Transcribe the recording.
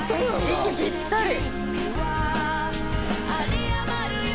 息ぴったり！